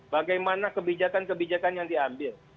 bagaimana kebijakan kebijakan yang diambil